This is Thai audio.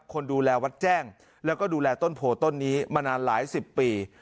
คนดูแลวัดแจ้งแล้วก็ดูแลต้นโพต้นนี้มานานหลายสิบปี